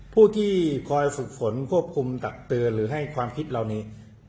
ผู้ที่คอยฝึกฝนควบคุมตักเตือนหรือให้ความคิดเหล่านี้